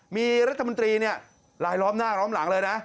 มีรัฐมนตรีเนี่ยลายล้อมหน้าล้อมหลังเลยนะ